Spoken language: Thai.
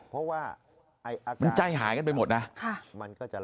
เหมือนใจหายกันไปหมดนะค่ะ